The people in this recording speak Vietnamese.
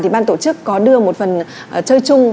thì ban tổ chức có đưa một phần chơi chung